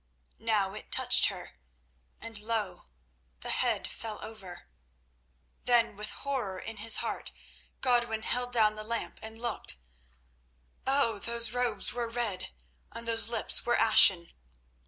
Now it touched her, and lo! the head fell over. Then, with horror in his heart, Godwin held down the lamp and looked. Oh! those robes were red, and those lips were ashen.